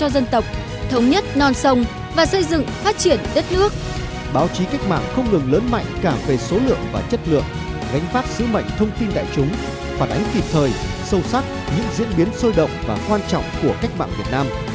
báo chí cách mạng không ngừng lớn mạnh cả về số lượng và chất lượng gánh pháp sứ mệnh thông tin đại chúng hoạt ánh kịp thời sâu sắc những diễn biến sôi động và quan trọng của cách mạng việt nam